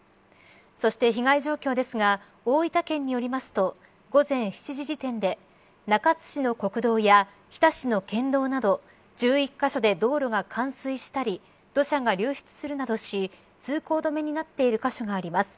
そして被害状況ですが大分県によりますと午前７時時点で中津市の国道や日田市の県道など１１カ所で道路が冠水したり土砂が流出するなどし通行止めになっている箇所があります。